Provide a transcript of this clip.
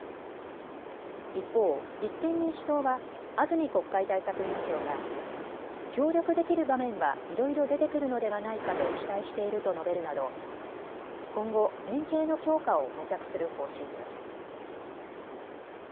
一方、立憲民主党は安住国会対策委員長が協力できる場面はいろいろ出てくるのではないかと期待していると述べるなど今後、連携の強化を模索する方針です。